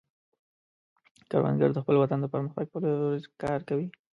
کروندګر د خپل وطن د پرمختګ په لور کار کوي